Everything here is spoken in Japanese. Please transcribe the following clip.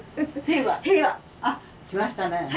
あっきましたねえ。